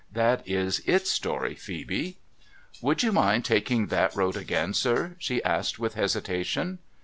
That is its story, Phoebe.' 'Would you mind taking that road again, sir?' she asked with hesitation.